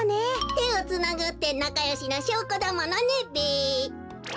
てをつなぐってなかよしのしょうこだものねべ。